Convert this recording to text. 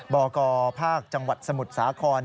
บกภาคจังหวัดสมุทรสาคร